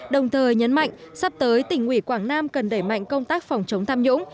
đồng thời nhấn mạnh sắp tới tỉnh ủy quảng nam cần đẩy mạnh công tác phòng chống tham nhũng